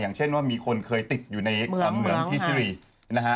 เช่นว่ามีคนเคยติดอยู่ในเหมืองที่ชิรีนะฮะ